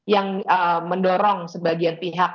yang mendorong sebagian pihak